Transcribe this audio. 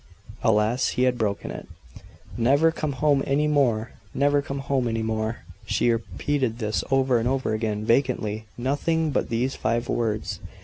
Alas, he had broken it! "Never come home any more! Never come home any more!" She repeated this over and over again, vacantly: nothing but these five words.